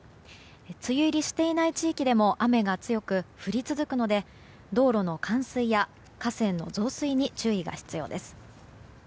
梅雨入りしていない地域でも雨が強く降り続くので道路の冠水や河川の増水に注意が必要です。